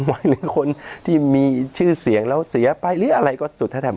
หรือคนที่มีชื่อเสียงแล้วเสียไปหรืออะไรก็สุดถ้าทำ